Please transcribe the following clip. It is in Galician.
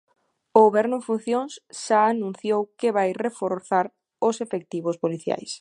O goberno en funcións xa anunciou que vai reforzar os efectivos policiais.